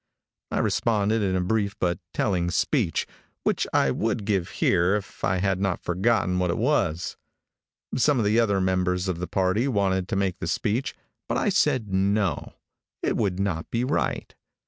I responded in a brief but telling speech, which I would give here if I had not forgotten what it was. Some of the other members of the party wanted to make the speech, but I said no, it would not be right.